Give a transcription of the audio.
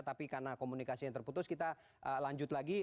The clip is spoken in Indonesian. tapi karena komunikasi yang terputus kita lanjut lagi